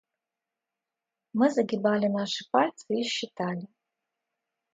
Мы загибали наши пальцы и считали.